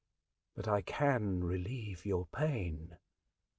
But I can relieve your pain."